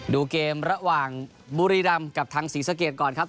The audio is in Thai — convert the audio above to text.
ดูเกมระหว่างบุรีรำกับทางศรีสะเกดก่อนครับ